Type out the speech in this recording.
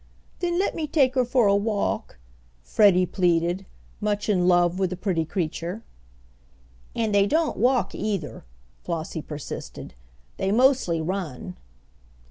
"Then let me take her for a walk," Freddie pleaded, much in love with the pretty creature. "And they don't walk either," Flossie persisted. "They mostly run."